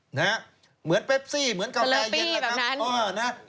เหมือนเพฟซีเหมือนกาวแต่เย็น